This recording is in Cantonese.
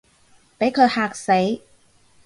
畀佢嚇死